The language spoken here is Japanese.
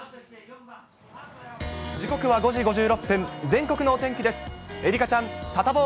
時刻は５時５６分、全国のお天気です。